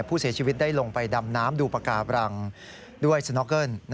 ผู้เสียชีวิตได้ลงไปดำน้ำดูปากกาบรังด้วยสน็อกเกิ้ล